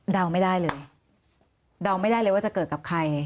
ไม่ได้เลยเดาไม่ได้เลยว่าจะเกิดกับใคร